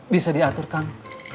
bisa diatur kang